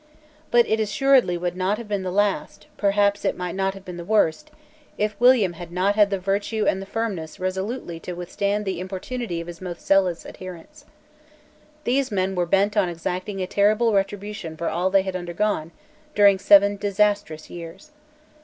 But it assuredly would not have been the last, perhaps it might not have been the worst, if William had not had the virtue and the firmness resolutely to withstand the importunity of his most zealous adherents. These men were bent on exacting a terrible retribution for all they had undergone during seven disastrous years.